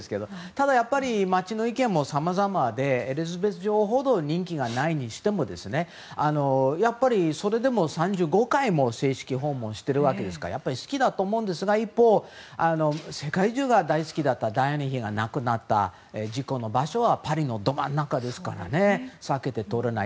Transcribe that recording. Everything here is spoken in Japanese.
ただ、街の意見もさまざまでエリザベス女王ほど人気がないにしてもやっぱりそれでも３５回も正式訪問しているわけですからやっぱり好きだと思うんですが一方、世界中が大好きだったダイアナ元妃が亡くなった事故の場所はパリのど真ん中ですから避けて通れない。